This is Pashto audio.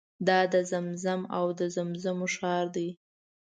دا د زمزم او زمزمو ښار دی.